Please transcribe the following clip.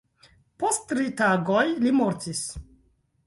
Post tri tagoj li mortis.